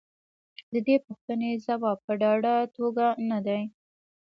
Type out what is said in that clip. د دې پوښتنې ځواب په ډاډه توګه نه دی.